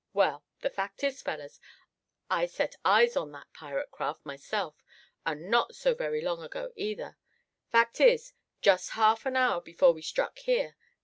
Well, the fact is, fellers, I set eyes on that pirate craft myself, and not so very long ago either; fact is, just half an hour before we struck here.